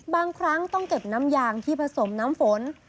บางครั้งต้องเก็บน้ำยางที่ผสมน้ำฝน